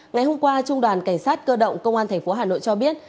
ngày hôm qua trung đoàn cảnh sát cơ động công an tp hà nội cho biết